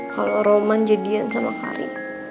kalau roman jadian sama kari